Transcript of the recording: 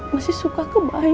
masih suka kebayang